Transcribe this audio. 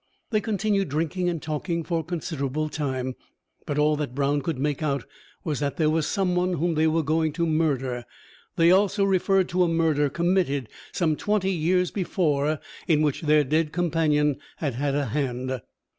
They continued drinking and talking for a considerable time, but all that Brown could make out was that there was someone whom they were going to murder. They also referred to a murder committed some twenty years before, in which their dead companion had had a hand.